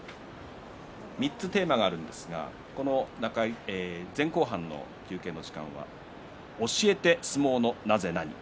３つテーマがあるんですが前後半の休憩の時間は教えて相撲のなになぜ。